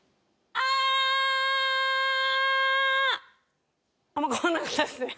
あんま変わらなかったですね。